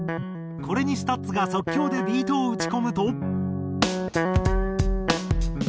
これにＳＴＵＴＳが即興でビートを打ち込むと。